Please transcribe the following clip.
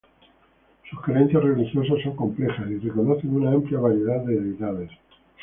Sus creencias religiosas son complejas, y reconocen una amplia variedad de deidades.